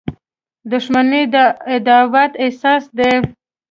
• دښمني د عداوت اساس دی.